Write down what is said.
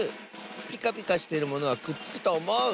ピカピカしてるものはくっつくとおもう！